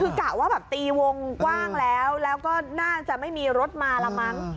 คือกะว่าแบบตีวงกว้างแล้วแล้วก็น่าจะไม่มีรถมาละมั้ง